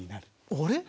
あれ？